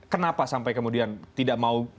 kenapa sampai kemudian tidak mau